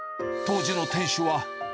当時の店主は。